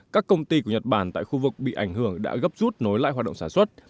các công ty của nhật bản tại khu vực bị ảnh hưởng đã gấp rút nối lại hoạt động sản xuất